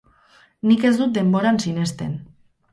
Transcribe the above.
Nik ez dut denboran sinesten.